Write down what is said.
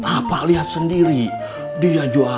apa liat sendiri dia jualan cilok di ciraos